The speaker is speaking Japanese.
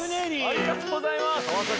「ありがとうございます！」